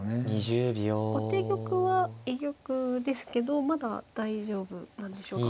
後手玉は居玉ですけどまだ大丈夫なんでしょうか。